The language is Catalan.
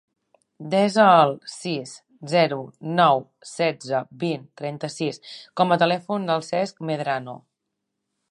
Desa el sis, zero, nou, setze, vint, trenta-sis com a telèfon del Cesc Medrano.